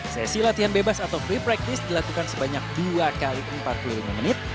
sesi latihan bebas atau free practice dilakukan sebanyak dua x empat puluh lima menit